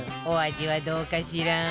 お味はどうかしら？